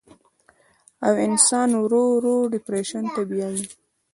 او انسان ورو ورو ډپرېشن ته بيائي